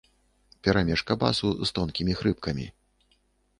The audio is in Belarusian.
Перамешка басу з тонкімі хрыпкамі.